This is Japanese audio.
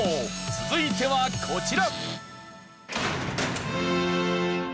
続いてはこちら。